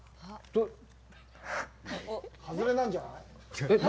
外れなんじゃない？